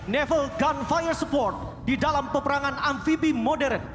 naval gunfire support di dalam peperangan amphibian modern